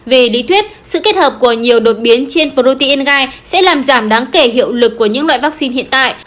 về lý thuyết sự kết hợp của nhiều đột biến trên protein gai sẽ làm giảm đáng kể hiệu lực của những loại vaccine hiện tại